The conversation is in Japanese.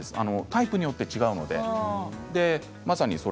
タイプによって違うんですね。